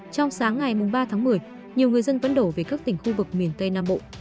trong sáng ngày ba tháng một mươi nhiều người dân vẫn đổ về các tỉnh khu vực miền tây nam bộ